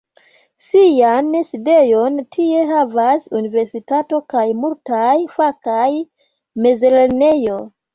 Sian sidejon tie havas Universitato kaj multaj fakaj mezlernejoj.